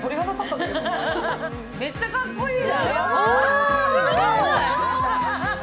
めっちゃかっこいいじゃん。